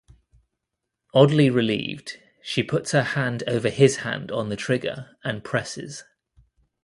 Oddly relieved, she puts her hand over his hand on the trigger and presses.